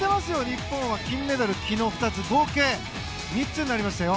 日本は金メダル昨日２つ合計３つになりましたよ。